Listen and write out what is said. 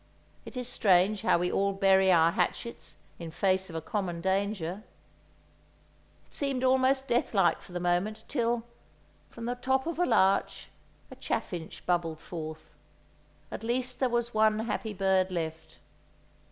It is strange how we all bury our hatchets in face of a common danger! It seemed almost death like for the moment, till, from the top of a larch, a chaffinch bubbled forth. At least there was one happy bird left.